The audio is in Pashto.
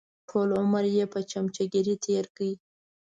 ټول عمر یې په چمچهګیري تېر کړ.